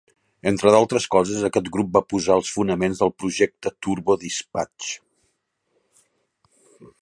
Entre d'altres coses, aquest grup va posar els fonaments del projecte Turbo Dispatch.